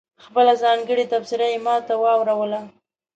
خپله ځانګړې تبصره یې ماته واوروله.